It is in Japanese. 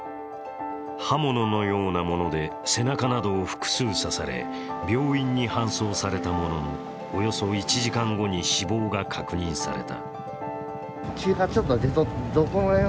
刃物のようなもので背中などを複数刺され、病院に搬送されたものの、およそ１時間後に死亡が確認された。